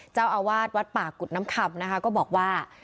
เจ้าอาวาสวัดป่ากุฎน้ำคำนะคะก็บอกว่า